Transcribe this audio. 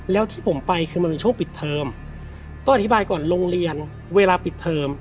แล้วที่ผมไปคือมันเป็นช่วงปิดเทอมต้องอธิบายก่อนโรงเรียนเวลาปิดเทอม